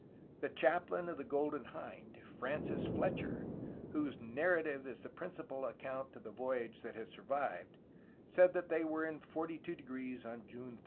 The chaplain of the Golden Hind, Francis Fletcher, whose narrative is the principal account of the voyage that has survived, said that they were in 42° on June 3.